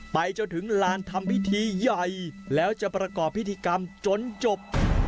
ไปจนถึงลานทำพิธีใหญ่แล้วจะประกอบพิธีกรรมจนจบ